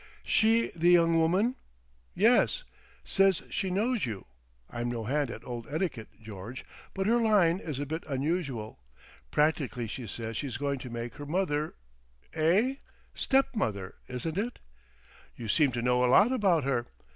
"She the young woman?" "Yes. Says she knows you. I'm no hand at old etiquette, George, but her line is a bit unusual. Practically she says she's going to make her mother—" "Eh? Step mother, isn't it?" "You seem to know a lot about her.